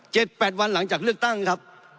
แปดวันหลังจากเลือกตั้งครับ